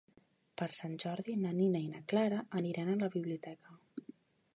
Per Sant Jordi na Nina i na Clara aniran a la biblioteca.